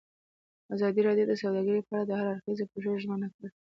ازادي راډیو د سوداګري په اړه د هر اړخیز پوښښ ژمنه کړې.